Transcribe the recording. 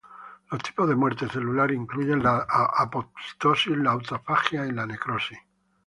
Los tipos de muerte celular incluyen la apoptosis, la autofagia y la necrosis.